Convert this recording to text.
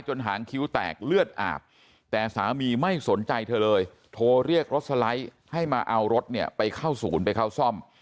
หางคิ้วแตกเลือดอาบแต่สามีไม่สนใจเธอเลยโทรเรียกรถสไลด์ให้มาเอารถเนี่ยไปเข้าศูนย์ไปเข้าซ่อม